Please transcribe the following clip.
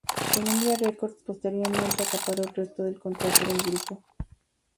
Columbia Records posteriormente acaparó el resto del contrato del grupo.